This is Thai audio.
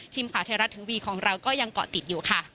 ทีมขาวเทราสวรรค์ถึงวีดีของเราก็ยังเกาะติดอยู่ค่ะ